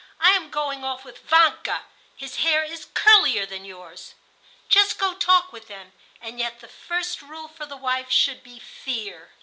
I am going off with Vanka. His hair is curlier than yours.' Just go talk with them. And yet the first rule for the wife should be fear."